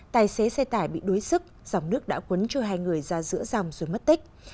tài xế xe tải bị đối xức dòng nước đã quấn cho hai người ra giữa dòng rồi mất tích